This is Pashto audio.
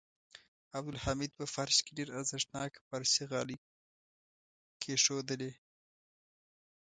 عبدالحمید په فرش کې ډېر ارزښتناکه پارسي غالۍ کېښودلې.